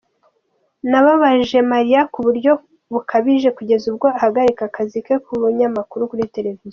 Nababaje Maria ku buryo bukabije kugeza ubwo ahagarika akazi ke k’ubunyamakuru kuri televiziyo.